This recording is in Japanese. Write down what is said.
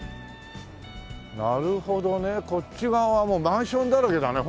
なるほどねこっち側はマンションだらけだねほら。